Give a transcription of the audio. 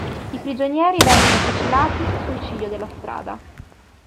I prigionieri vennero fucilati sul ciglio della strada.